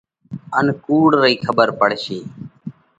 ان ڪُوڙ رئي کٻر پڙشي۔